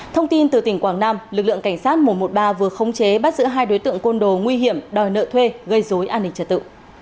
thông tin từ tỉnh quảng nam lực lượng cảnh sát một trăm một mươi ba vừa khống chế bắt giữ hai đối tượng côn đồ nguy hiểm đòi nợ thuê gây dối an ninh trật tự